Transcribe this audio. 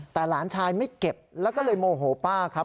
แต่หลานชายไม่เก็บแล้วก็เลยโมโหป้าครับ